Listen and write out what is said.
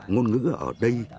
ngôn ngữ ở đây